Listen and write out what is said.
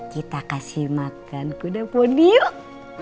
kita kasih makan kuda poni yuk